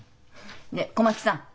で小牧さん。